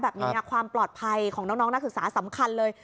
แบบนี้ความปลอดภัยของน้องนักศึกษาสำคัญเลย